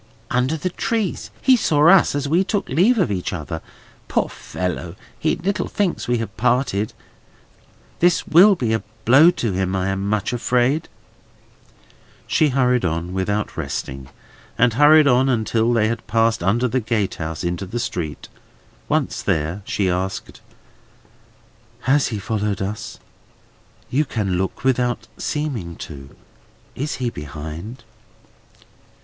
"Under the trees. He saw us, as we took leave of each other. Poor fellow! he little thinks we have parted. This will be a blow to him, I am much afraid!" She hurried on, without resting, and hurried on until they had passed under the gatehouse into the street; once there, she asked: "Has he followed us? You can look without seeming to. Is he behind?"